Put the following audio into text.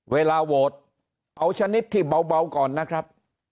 เวลาโหวตเอาชนิดที่เบาก่อนนะครับ